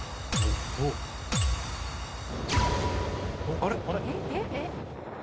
あれ？